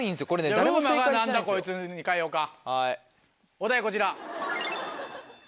お題こちら。